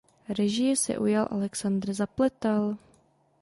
Režie se ujal Alexandr Zapletal.